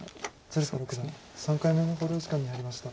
鶴田六段３回目の考慮時間に入りました。